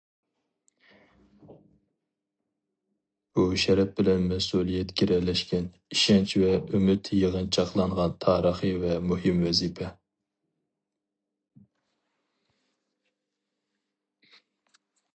بۇ، شەرەپ بىلەن مەسئۇلىيەت گىرەلەشكەن، ئىشەنچ ۋە ئۈمىد يىغىنچاقلانغان تارىخىي ۋە مۇھىم ۋەزىپە.